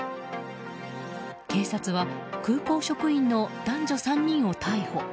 警察は空港職員の男女３人を逮捕。